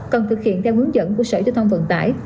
cần thực hiện theo hướng dẫn của sở giao thông vận tải